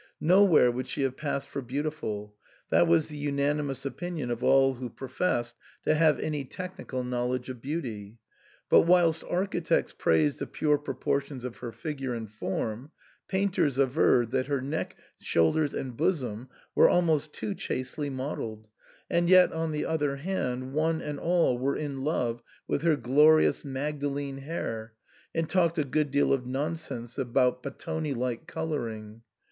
Nowhere would she have passed for beautiful ; that was the unanimous opinion of all who proifessed to have any technical knowledge of beauty. But whilst architects praised the pure proportions of her figure and form, painters averred that her neck, shoulders, and bosom were almost too chastely mod elled, and yet, on the other hand, one and all were in love with her glorious Magdalene hair, and talked a good deal of nonsense about Battoni like * colouring.